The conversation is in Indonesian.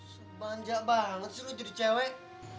sebanjak banget sih lo jadi cewek